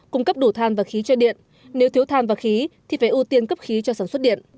cung cấp đủ than và khí cho điện nếu thiếu than và khí thì phải ưu tiên cấp khí cho sản xuất điện